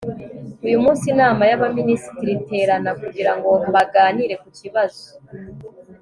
uyu munsi, inama y'abaminisitiri iterana kugira ngo baganire ku kibazo